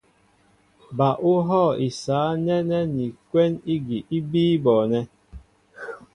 Ba ú hɔ̂ isǎ nɛ́nɛ́ ni kwɛ́n ígi í bíí bɔɔnɛ́.